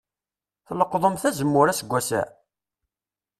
Tleqḍemt azemmur aseggas-a?